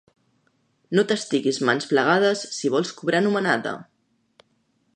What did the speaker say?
No t'estiguis mans plegades, si vols cobrar anomenada.